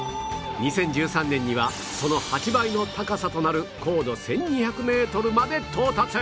２０１３年にはその８倍の高さとなる高度１２００メートルまで到達！